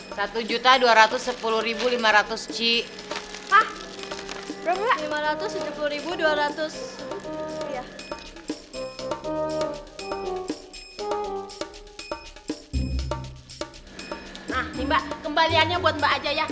nah ini mbak kembaliannya buat mbak aja ya